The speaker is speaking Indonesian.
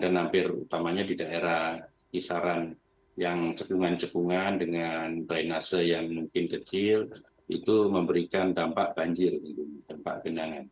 dan hampir utamanya di daerah kisaran yang cekungan cekungan dengan drainase yang mungkin kecil itu memberikan dampak banjir dampak genangan